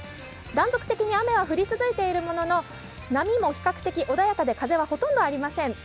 断続的に雨は降り続いているものの、波は比較的穏やかで風はほとんどありません。